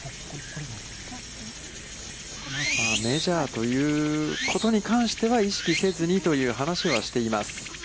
メジャーということに関しては、意識せずにという話はしています。